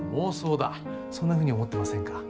そんなふうに思ってませんか？